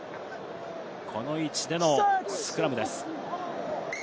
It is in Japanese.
この位置でのスクラムです。